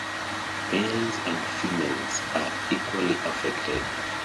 Males and females are equally affected.